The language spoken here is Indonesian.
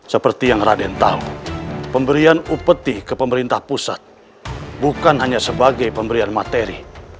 seperti yang raden tahu pemberian upeti ke pemerintah pusat bukan hanya sebagai pemberian materi